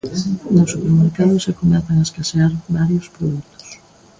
Nos supermercados xa comezan a escasear varios produtos.